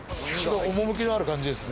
趣のある感じですね